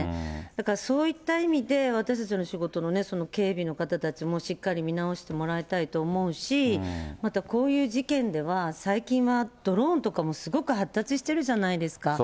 だから、そういった意味で、私たちの仕事の警備の方たちもしっかり見直してもらいたいと思うし、またこういう事件では、最近はドローンとかもすごく発達してるじゃないですか。